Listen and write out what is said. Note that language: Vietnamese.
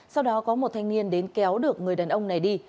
sau đó có một thanh niên đến kéo được người đàn ông này đi